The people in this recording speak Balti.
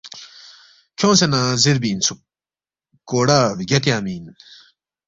کھیونگسے نہ زیربی اِنسُوک، ’کوڑا بگیا تیانگمی اِن